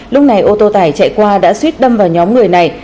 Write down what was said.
lúc này ô tô tải chạy qua đã suýt đâm vào nhóm người này